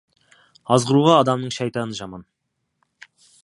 Азғыруға адамның шайтаны жаман.